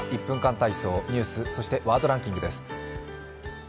体操」、ニュース、そしてワードランキングです。